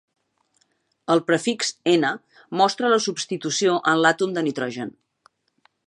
El prefix "N" mostra la substitució en l'àtom de nitrogen.